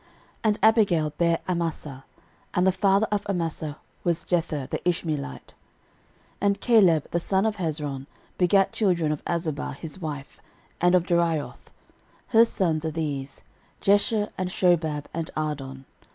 13:002:017 And Abigail bare Amasa: and the father of Amasa was Jether the Ishmeelite. 13:002:018 And Caleb the son of Hezron begat children of Azubah his wife, and of Jerioth: her sons are these; Jesher, and Shobab, and Ardon.